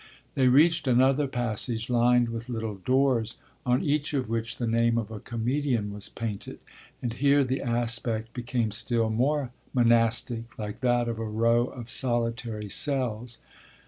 They reached another passage lined with little doors, on each of which the name of a comedian was painted, and here the aspect became still more monastic, like that of a row of solitary cells.